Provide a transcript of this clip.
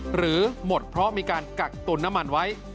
หรือหมดเพราะมีการกักตุลน้ำมันไว้